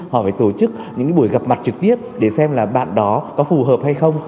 họ phải tổ chức những buổi gặp mặt trực tiếp để xem là bạn đó có phù hợp hay không